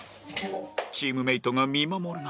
チームメートが見守る中